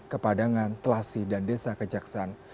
kepadangan telasi dan desa kejaksaan